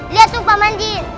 lihat tuh pak manjin